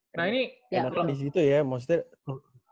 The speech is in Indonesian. pernah basket adik adik juga renang gitu kan